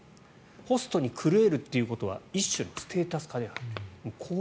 ホストに狂えるというのは一種のステータス化である。